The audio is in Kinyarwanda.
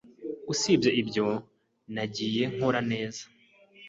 Usibye ibyo, nagiye nkora neza.